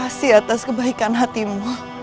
terima kasih atas kebaikan hatimu